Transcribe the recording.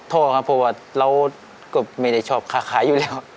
ท่อครับเพราะว่าเราก็ไม่ได้ชอบค่าขายอยู่แล้ว